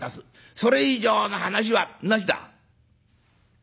それ以上の話はなしだ」。